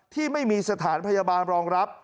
ที่ไม่มีสถานพยาบาลรองรับ